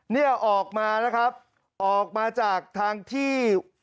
เนี่ยออกมานะครับออกมาจากทางที่